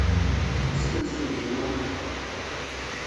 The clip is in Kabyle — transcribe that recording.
Isem-nnes uydi-nwent?